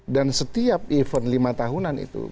setiap event lima tahunan itu